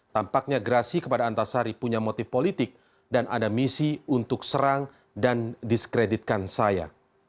tampaknya gerasi kepada antasari punya motif politik dan ada misi untuk serang dan diskreditkan saya